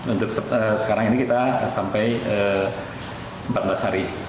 untuk sekarang ini kita sampai empat belas hari